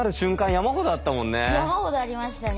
山ほどありましたね。